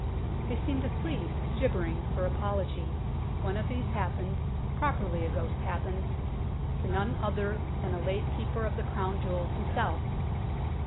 They seem to plead, gibbering, for apology. One of these happened properly a ghost happens to none other than a late Keeper of the Crown Jewels himself.